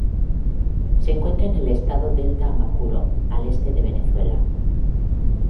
Se encuentra en el estado Delta Amacuro, al este de Venezuela.